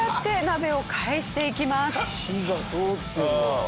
火が通ってるわ。